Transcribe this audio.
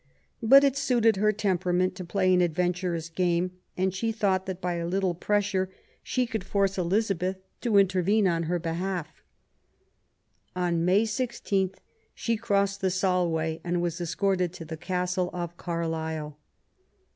But it suited her temperament to play an adventurous game, and she thought that by a little pressure she could force Elizabeth to intervene on her behalf. On May 16 she crossed the Solway, and was escorted to the Castle of Carlisle.